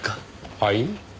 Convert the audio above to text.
はい？